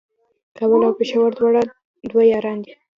کابل او پېښور دواړه دوه یاران دي